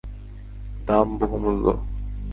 দাম, বহুমূল্য!